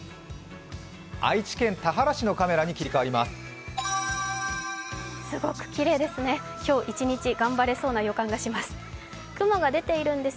愛知県田原市のカメラに切り替わります。